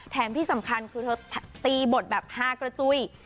ที่สำคัญคือเธอตีบทแบบฮากระจุ้ย